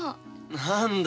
何だ。